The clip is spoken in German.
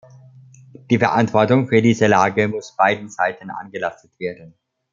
Die Verantwortung für diese Lage muss beiden Seiten angelastet werden.